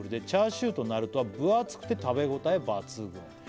「チャーシューとなるとは分厚くて食べ応え抜群」